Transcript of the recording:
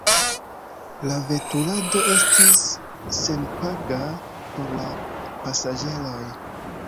La veturado estis senpaga por la pasaĝeroj.